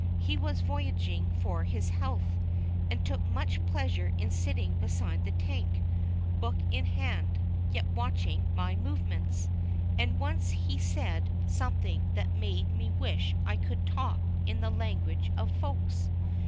He was voyaging for his health, and took much pleasure in sitting beside the tank, book in hand, yet watching my movements, and once he said something that made me wish I could talk in the language of Folks.